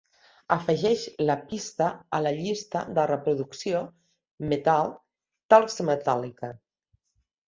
Afegeix la pista a la llista de reproducció Metal Talks Metallica.